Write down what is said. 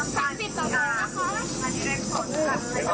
น้ำน้ำไหม